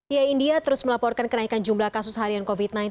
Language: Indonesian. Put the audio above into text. ya india terus melaporkan kenaikan jumlah kasus harian covid sembilan belas